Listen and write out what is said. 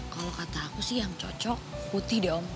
kalau kata aku sih yang cocok putih dong